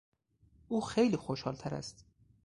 او خیلی خوشحالتر است.